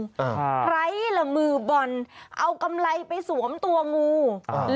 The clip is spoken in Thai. อ่าใครละมือบอลเอากำไรไปสวมตัวงูอ่า